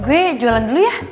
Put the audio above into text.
gue jualan dulu ya